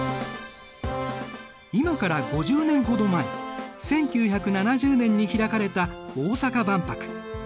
今から５０年ほど前１９７０年に開かれた大阪万博。